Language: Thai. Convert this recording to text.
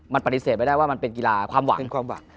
มันปฏิเสธไม่ได้ว่ามันเป็นกีฬาความหวัง